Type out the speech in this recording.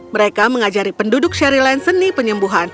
mereka mengajari penduduk sherry lane seni penyembuhan